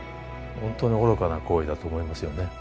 ほんとに愚かな行為だと思いますよね。